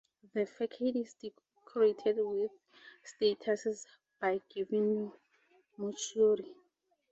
The facade is decorated with statues by Giovanni Marchiori.